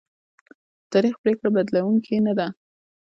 د تاریخ پرېکړه بدلېدونکې نه ده.